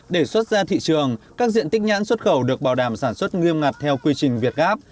để xuất ra thị trường các diện tích nhãn xuất khẩu được bảo đảm sản xuất nghiêm ngặt theo quy trình việt gáp